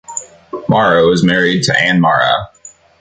Mara was married to Ann Mara.